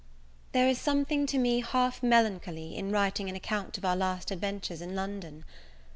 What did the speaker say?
THERE is something to me half melancholy in writing an account of our last adventures in London.